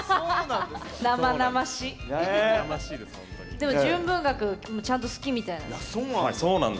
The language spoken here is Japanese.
でも純文学ちゃんと好きみたいなので。